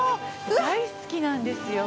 大好きなんですよ